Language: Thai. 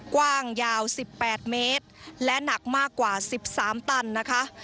กว้างยาว๑๘เมตรและหนักมากกว่า๑๓ตันนะคะ